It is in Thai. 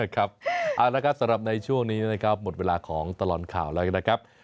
ครับสำหรับในช่วงนี้หมดเวลาของตลอดข่าวแล้วกัน